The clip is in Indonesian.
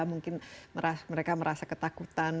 mungkin mereka merasa ketakutan